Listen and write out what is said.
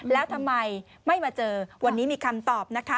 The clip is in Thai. แล้วทำไมไม่มาเจอวันนี้มีคำตอบนะคะ